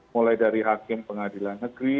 mulai dari hakim pengadilan negeri